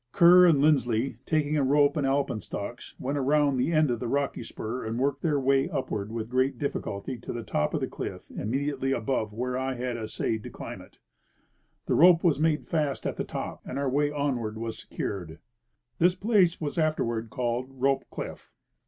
Kerr and Linds ley, taking a rope and alpenstocks, went around the end of the rocky spur and worked their way upward with great difficulty to the top of the cliff immediately above where I had essayed to climb it. A rope was made fast at the top, and our way onward was secured. This place was afterward called Rope cliff.